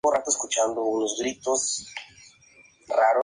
La defensa de la colina estaba formada por tres circuitos amurallados.